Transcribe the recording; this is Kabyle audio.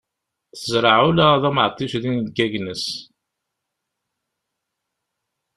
Tezreɛ ula d ameɛṭic din deg agnes.